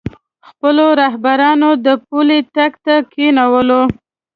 خپلو رهبرانو د پولۍ ټک ته کېنولو.